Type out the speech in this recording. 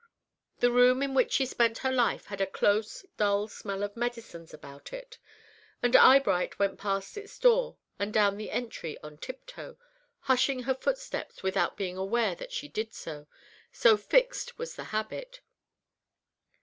The room in which she spent her life had a close, dull smell of medicines about it, and Eyebright went past its door and down the entry on tiptoe, hushing her footsteps without being aware that she did so, so fixed was the habit.